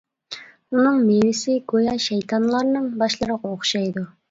ئۇنىڭ مېۋىسى گويا شەيتانلارنىڭ باشلىرىغا ئوخشايدۇ.